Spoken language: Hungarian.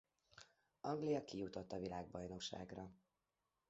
Anglia kijutott a világbajnokságra.